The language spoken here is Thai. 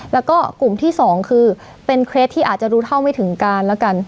แล้วก็กลุ่มที่สองคือเป็นเครสที่อาจจะรู้เท่าไม่ถึงการแล้วกัน